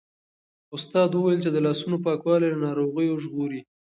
استاد وویل چې د لاسونو پاکوالی له ناروغیو ژغوري.